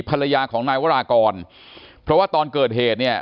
ภรรยาของนายวรากรเพราะว่าตอนเกิดเหตุเนี่ย